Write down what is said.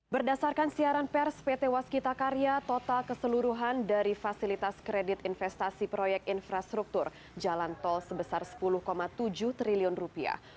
berdasarkan siaran pers pt waskita karya total keseluruhan dari fasilitas kredit investasi proyek infrastruktur jalan tol sebesar sepuluh tujuh triliun rupiah